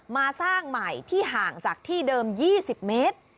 สร้างใหม่ที่ห่างจากที่เดิม๒๐เมตร